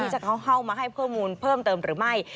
จะเข้ามาให้ข้อมูลเพิ่มเติมหรือไม่